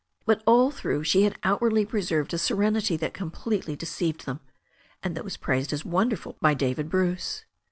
But all through she had outwardly preserved a serenity that completely deceived them, and that was praised as wonderful by David Bruce.